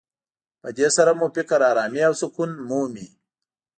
په دې سره مو فکر ارامي او سکون مومي.